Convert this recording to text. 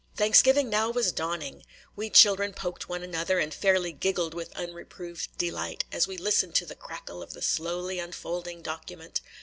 Thanksgiving now was dawning! We children poked one another, and fairly giggled with unreproved delight as we listened to the crackle of the slowly unfolding document.